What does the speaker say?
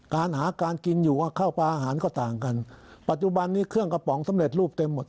การหาการกินอยู่ข้าวปลาอาหารก็ต่างกันปัจจุบันนี้เครื่องกระป๋องสำเร็จรูปเต็มหมด